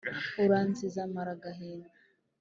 uranzize maragahinda?